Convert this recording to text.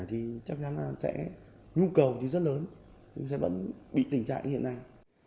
thì chắc chắn là sẽ nhu cầu rất lớn nhưng sẽ vẫn bị tỉnh trại như hiện nay